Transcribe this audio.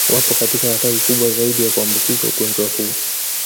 Wapo katika hatari kubwa zaidi ya kuambukizwa ugonjwa huu